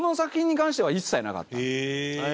へえ！